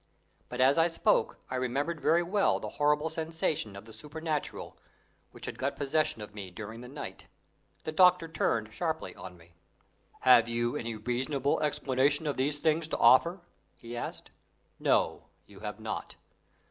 But as I spoke I remembered very well the horrible sensation of the supernatural which had got possession of me during the night. The doctor turned sharply on me. "Have you any reasonable explanation of these things to offer?" he asked. "No; you have not.